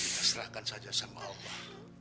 ya serahkan saja sama allah